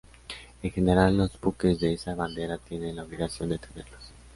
En general los buques de esa bandera tienen la obligación de tenerlos.